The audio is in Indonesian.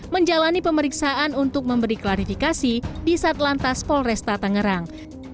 menjalani pemeriksaan untuk memberi klarifikasi di satlantas polresta tangerang